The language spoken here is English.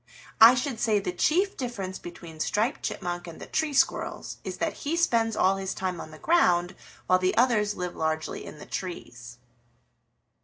I should say the chief difference between Striped Chipmunk and the Tree Squirrels is that he spends all his time on the ground while the others live largely in the trees."